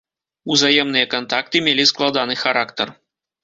Узаемныя кантакты мелі складаны характар.